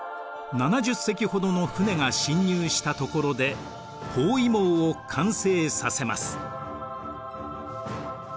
７０隻ほどの船が侵入したところで包囲網を完成させます。